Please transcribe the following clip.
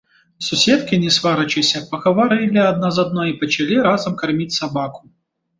Суседкі, не сварачыся, пагаварылі адна з адной і пачалі разам карміць сабаку.